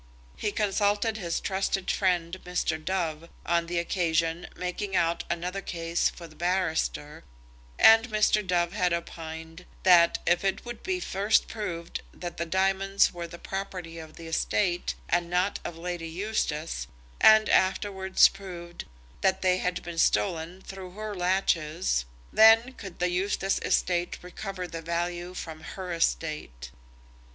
He consulted his trusted friend, Mr. Dove, on the occasion, making out another case for the barrister, and Mr. Dove had opined that, if it could be first proved that the diamonds were the property of the estate and not of Lady Eustace, and afterwards proved that they had been stolen through her laches, then could the Eustace estate recover the value from her estate.